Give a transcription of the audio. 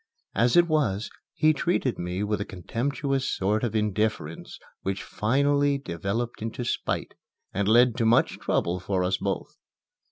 As it was, he treated me with a contemptuous sort of indifference which finally developed into spite, and led to much trouble for us both.